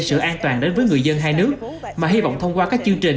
sự an toàn đến với người dân hai nước mà hy vọng thông qua các chương trình